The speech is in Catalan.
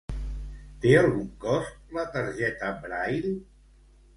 Té algun cost la targeta Braille?